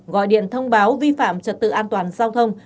gọi điện thông báo vi phạm trật tự an toàn giao thông